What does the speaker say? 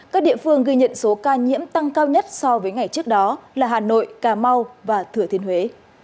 các địa phương ghi nhận số ca nhiễm tăng cao nhất so với ngày trước đó là hà nội cà mau và thừa thiên huế